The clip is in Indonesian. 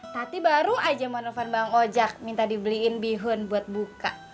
tati baru aja manufan bang ojak minta dibeliin bihun buat buka